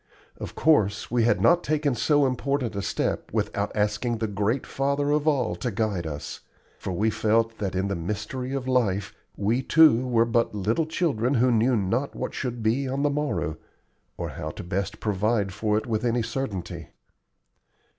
Of course we had not taken so important a step without asking the Great Father of all to guide us; for we felt that in the mystery of life we too were but little children who knew not what should be on the morrow, or how best to provide for it with any certainty.